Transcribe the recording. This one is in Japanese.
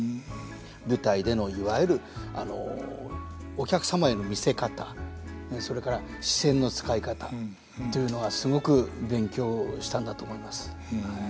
舞台でのいわゆるお客様への見せ方それから視線の使い方というのがすごく勉強したんだと思います。